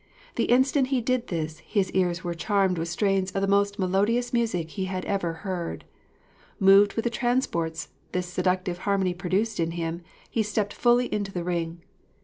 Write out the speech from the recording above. The instant he did this, his ears were charmed with strains of the most melodious music he had ever heard. Moved with the transports this seductive harmony produced in him, he stepped fully into the ring.